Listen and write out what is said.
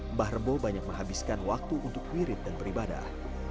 mbah rebo banyak menghabiskan waktu untuk wirid dan beribadah